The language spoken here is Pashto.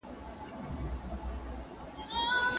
که استاد مرسته وکړي څېړنه به بریالۍ سي.